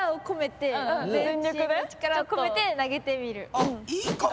あっいいかも。